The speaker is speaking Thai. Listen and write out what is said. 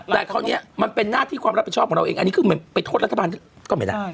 แต่คราวนี้มันเป็นหน้าที่ความรับผิดชอบของเราเองอันนี้คือเหมือนไปโทษรัฐบาลก็ไม่ได้